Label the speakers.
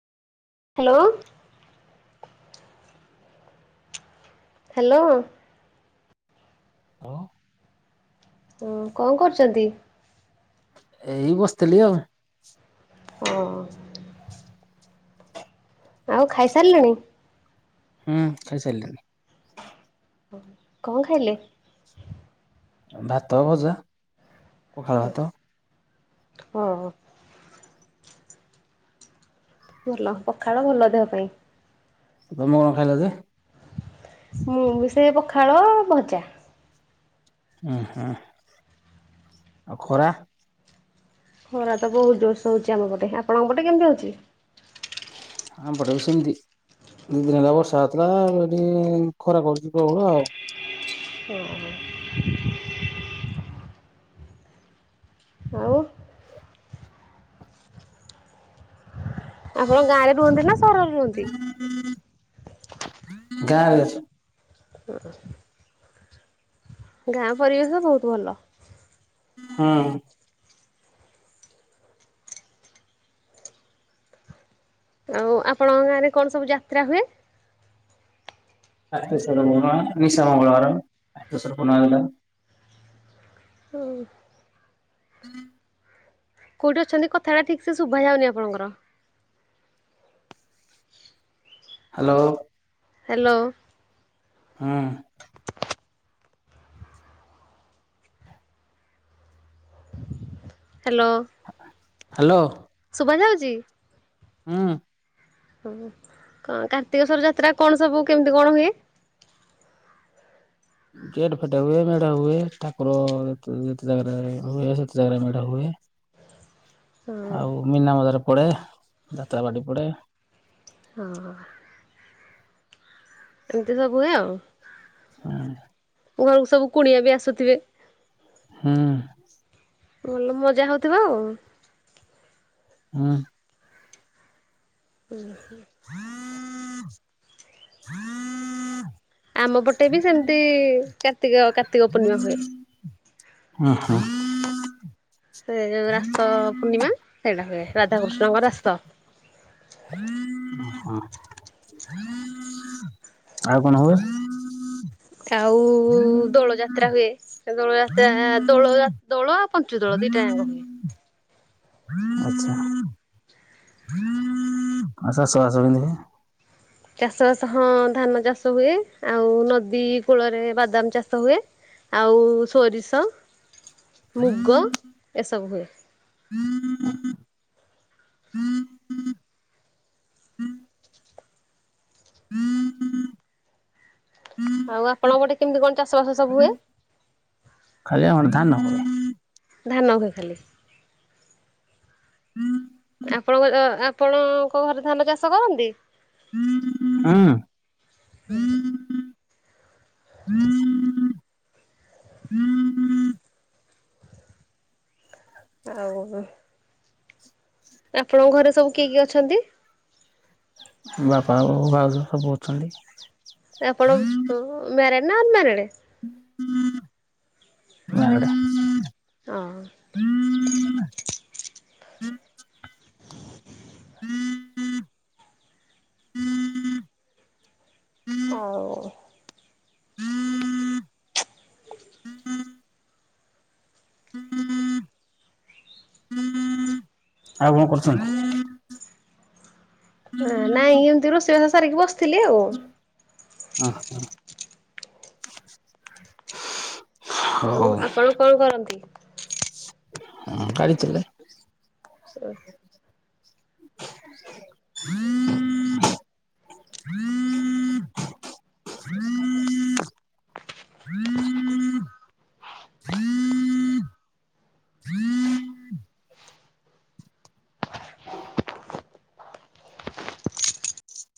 Speaker 1: Hello. Hello.
Speaker 2: କୁହ
Speaker 1: ଉଁ କଣ କରୁଚନ୍ତି?
Speaker 2: ଏଇ ବସିଥିଲି ଆଉ।
Speaker 1: ହଁ। ଆଉ ଖାଇସାରିଲେଣି?
Speaker 2: ହୁଁ, ଖାଇ ସାରିଲିଣି।
Speaker 1: ହ କଣ ଖାଇଲେ?
Speaker 2: ଭାତ, ଭଜା, ପଖାଳ ଭାତ।
Speaker 1: ଓହୋ। ଭଲ, ପଖାଳ ଭଲ ଦେହ ପାଇଁ।
Speaker 2: ତମେ କଣ ଖାଇଲ ଯେ?
Speaker 1: ମୁଁ ବି ସେଇ ପଖାଳ ଭଜା।
Speaker 2: ଉଁ, ହୁଁ ଆଉ ଖରା?
Speaker 1: ଖରା ତ ବହୁତ ଜୋରସେ ହଉଛି ଆମ ପଟେ। ଆପଣଙ୍କ ପଟେ କେମିତି ହଉଛି?
Speaker 2: ଆମ ପଟେ ବି ସେମିତି। ଦିନେ ଦିନେ ବର୍ଷା ହେଉଥିଲା ଏଠି ଖରା କଡ଼ୁଛି ପ୍ରବଳ ଆଉ।
Speaker 1: ଓ [inaudible] ଆପଣ ଗାଁ ରେ ରୁହନ୍ତି ନା ସହରରେ ରୁହନ୍ତି?
Speaker 2: [inaudible] ଗାଁରେ ଅଛି।
Speaker 1: [inaudible] ଗାଁ ପରିବେଶ ବହୁତ ଭଲ।
Speaker 2: ହୁଁ।
Speaker 1: ଆଉ ଆପଣଙ୍କ ଗାଁରେ କଣ ସବୁ ଯାତ୍ରା ହୁଏ?
Speaker 2: କାର୍ତ୍ତିକେଶ୍ଵର ପୂର୍ଣ୍ଣିମା, ନିଶାମଙ୍ଗଳ ବାର। [unintelligible]
Speaker 1: ହଁ।
Speaker 2: [unintelligible]
Speaker 1: କୋଉଠି ଅଛନ୍ତି କଥାଟା ଠିକ ସେ ଶୁଭା ଯାଉନି ଆପଣଙ୍କର। [inaudible]
Speaker 2: Hello
Speaker 1: hello.
Speaker 2: ହଁ।
Speaker 1: ହାଲୋ।
Speaker 2: ହାଲୋ।
Speaker 1: ଶୁଭା ଯାଉଛି?
Speaker 2: ହୁଁ।
Speaker 1: ହଁ [inaudible] କଣ କାର୍ତ୍ତିକେଶ୍ୱର ଯାତ୍ରା କଣ ସବୁ କେମିତି କଣ ହୁଏ?
Speaker 2: ଗେଟ ଫେଟେ ହୁଏ ମେଢ ହୁଏ ଠାକୁର [inaudible] ସେତେ ଜାଗାରେ ମେଢ ହୁଏ।
Speaker 1: ହଁ
Speaker 2: ଆଉ ମୀନା ବଜାର ପଡେ, [inaudible] ଯାତ୍ରା ପାଟି ପଡେ।
Speaker 1: ହଁ। ଏମିତି ସବୁ ହୁଏ ଆଉ।
Speaker 2: [inaudible]
Speaker 1: ଘରକୁ ସବୁ କୁଣିଆ ବି ଆସୁଥିବେ?
Speaker 2: ହୁଁ।
Speaker 1: ଭଲ ମଜା ହଉଥିବ ଆଉ
Speaker 2: ହଁ।
Speaker 1: [inaudible]
Speaker 2: [unintelligible]
Speaker 1: ଆମ ପଟେ ବି ସେମିତି କାର୍ତ୍ତିକ କା
Speaker 2: [inaudible] ଓ ହୋ।
Speaker 1: ସେ ଯୋଉ ରାସ - ସ ପୂର୍ଣ୍ଣିମା [inaudible] ସେଇଟା ହୁଏ ରାଧାକୃଷ୍ଣଙ୍କ ରାସ
Speaker 2: [inaudible] ହଁ। ଆଉ କଣ ହୁଏ?
Speaker 1: ଆଉ ଉ ଉ ଉ ଉ ଦୋଳ ଯାତ୍ରା ହୁଏ। ସେ ଦୋଳଯାତ୍ରା ଆ - ଆ - ଆ ଦୋଳ ଯା ଦୋଳ ପଞ୍ଚୁ ଦୋଳ ଦିଟା ଯାକ ହୁଏ
Speaker 2: ଆଚ୍ଛା। [unintelligible]
Speaker 1: ଚାଷ ବାସ ହଁ ଧାନ ଚାଷ ହୁଏ। ଆଉ ନଦୀ କୂଳରେ ବାଦାମ ଚାଷ ହୁଏ। ଆଉ ସୋରିଷ, [inaudible] ମୁଗ [inaudible] ଏସବୁ ହୁଏ। ଆଉ ଆପଣଙ୍କ ପଟେ କେମତି କଣ ଚାଷ ବାସ ସବୁ ହୁଏ?
Speaker 2: ଖାଲି [inaudible] ଧାନ
Speaker 1: ଧାନ ହୁଏ ଖାଲି? ଆପଣଙ୍କର ଆପଣଙ୍କ ଘରେ ଧାନ ଚାଷ କରନ୍ତି?
Speaker 2: ହୁଁ।
Speaker 1: [inaudible] ଆଉ ଉଁ ଆପଣଙ୍କ ଘରେ ସବୁ କିଏ କିଏ ଅଛନ୍ତି?
Speaker 2: ବାପା, ବୋଉ, ଭାଉଜ ସବୁ ଅଛନ୍ତି।
Speaker 1: ଏ ଆପଣ ମ୍ୟାରେଡ଼୍ ନା ଅନମ୍ୟାରେଡ଼୍?
Speaker 2: ଗାଁ ଆଡେ
Speaker 1: ହଁ।
Speaker 2: [unintelligible]
Speaker 1: [unintelligible] [unintelligible]
Speaker 2: ଆଉ କଣ କରୁଚନ୍ତି?
Speaker 1: ନାଇଁ ଏମିତି ରୋଷେଇ ବାସ ସାରିକି ବସିଥିଲି ଆଉ।
Speaker 2: ଓ ହ।
Speaker 1: ହଉ ଆପଣ କଣ କରନ୍ତି?
Speaker 2: [unintelligible] ହଁ ଗାଡ଼ିିଚଲାଏ।
Speaker 1: ହଁ।